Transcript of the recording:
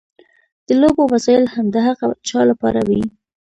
د لوبو وسایل هم د هغه چا لپاره وي.